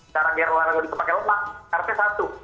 cara biar lelah lelah bisa pakai lemak artinya satu